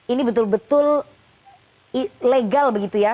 ini betul betul ilegal begitu ya